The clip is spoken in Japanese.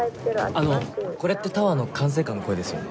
あのこれってタワーの管制官の声ですよね？